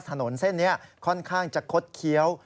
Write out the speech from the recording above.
ถนนเส้นนี้ค่อนข้างจะคดเคี้ยว